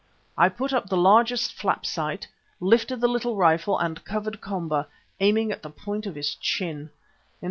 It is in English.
I put up the largest flapsight, lifted the little rifle and covered Komba, aiming at the point of his chin.